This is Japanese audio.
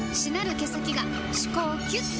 毛先が歯垢をキュッ！と落とす